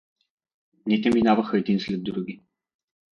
Дните минаваха един след други.